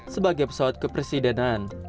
sebagai pesawat kepresidenan